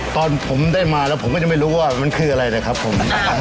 ตอนผมได้มาแล้วผมก็ยังไม่รู้ว่ามันคืออะไรเลยครับผม